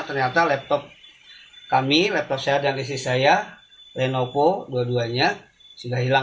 ternyata laptop kami laptop saya dan istri saya lenovo dua duanya sudah hilang